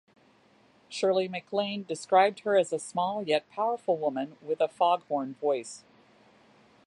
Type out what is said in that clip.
Shirley MacLaine described her as a small, yet powerful woman with a foghorn voice.